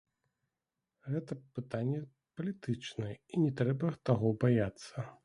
Гэта пытанне палітычнае, і не трэба таго баяцца.